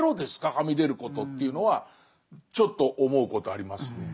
はみ出ることというのはちょっと思うことありますね。